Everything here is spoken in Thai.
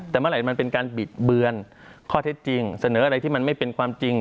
แต่เมื่อไหร่มันเป็นการบิดเบือนข้อเท็จจริงเสนออะไรที่มันไม่เป็นความจริง